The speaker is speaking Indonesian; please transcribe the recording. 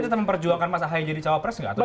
tapi tetap memperjuangkan mas ahi jadi cawapres nggak